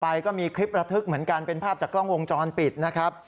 ก็มีคลิประทึกเหมือนกันเป็นภาพจากกล้องวงจรปิดนะครับ